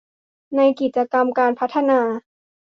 ในกิจกรรมการพัฒนา